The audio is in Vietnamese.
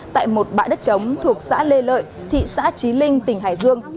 tại một bãi đất trống thuộc xã lê lợi thị xã trí linh tỉnh hải dương